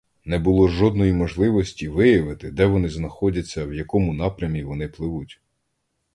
Не було жодної можливості виявити, де вони знаходяться, в якому напрямі вони пливуть.